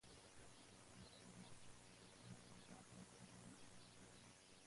En dicha pugna Per Afán de Ribera representó la autoridad real.